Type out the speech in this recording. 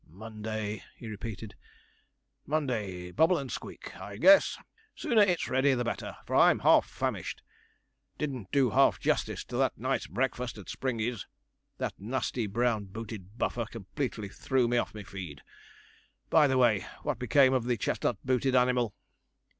'Monday,' he repeated; 'Monday bubble and squeak, I guess sooner it's ready the better, for I'm half famished didn't do half justice to that nice breakfast at Springy's. That nasty brown booted buffer completely threw me off my feed. By the way, what became of the chestnut booted animal?'